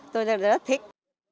tôi rất thích